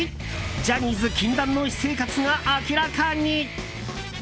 ジャニーズ禁断の私生活が明らかに。